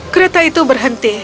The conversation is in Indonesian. kereta itu berhenti